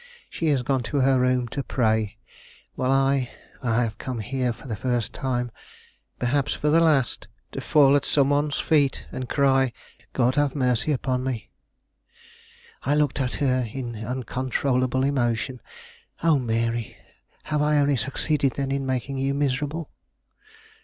She has gone to her room to pray, while I I have come here for the first time, perhaps for the last, to fall at some one's feet and cry, 'God have mercy upon me!'" I looked at her in uncontrollable emotion. "Oh, Mary, have I only succeeded, then, in making you miserable?"